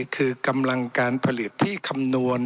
คือกำลังการผลิตที่คำนวณ